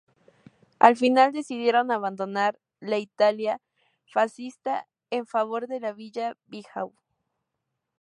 Al final decidieron abandonar la Italia fascista en favor de la Villa Bijou.